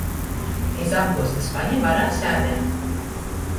Iz apguozta spaņa varēja sēdēt.